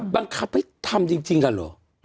บังคับไปทำจริงอ่ะหรอ